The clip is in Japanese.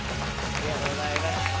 ありがとうございます。